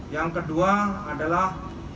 yang kedua adalah